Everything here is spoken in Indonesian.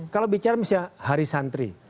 kalau bicara misalnya hari santri